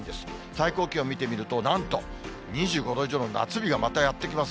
最高気温見てみると、なんと２５度以上の夏日がまたやって来ます。